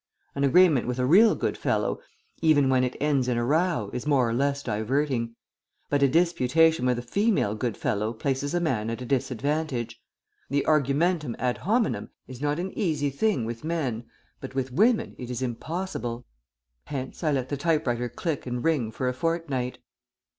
An agreement with a real good fellow, even when it ends in a row, is more or less diverting; but a disputation with a female good fellow places a man at a disadvantage. The argumentum ad hominem is not an easy thing with men, but with women it is impossible. Hence, I let the type writer click and ring for a fortnight.